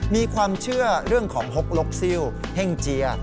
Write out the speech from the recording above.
มีความเชื่อเรื่องของฮกลกซิลเฮ่งเจีย